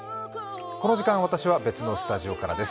この時間、私は別のスタジオからです。